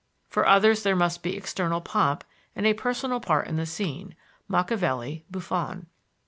For others there must be external pomp and a personal part in the scene (Machiavelli, Buffon).